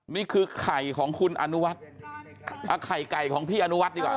นี่คือไข่ของคุณอนุวัฒน์เอาไข่ไก่ของพี่อนุวัฒน์ดีกว่า